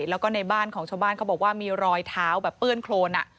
แล้วก็ในบ้านของชาวบ้านเขาบอกว่ามีรอยเท้าแบบเปื้อนโครน